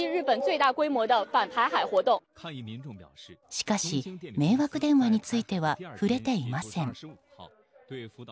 しかし迷惑電話については触れていません。